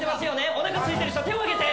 おなかすいてる人手を挙げて！